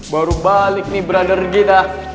baru balik nih brother kita